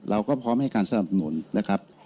เราก็พร้อมให้การสนับสนุนนะครับ